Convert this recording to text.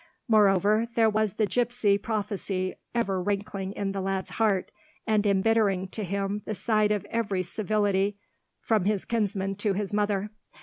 Moreover there was the gipsy prophecy ever rankling in the lad's heart, and embittering to him the sight of every civility from his kinsman to his mother.